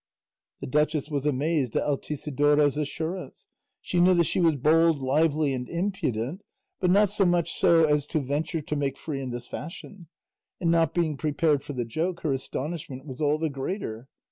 '" The duchess was amazed at Altisidora's assurance; she knew that she was bold, lively, and impudent, but not so much so as to venture to make free in this fashion; and not being prepared for the joke, her astonishment was all the greater.